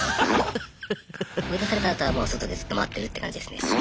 追い出されたあとはもう外でずっと待ってるって感じですね。